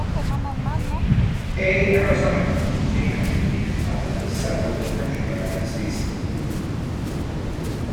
"A. arizonicum" may actually be composed of several different genera and species.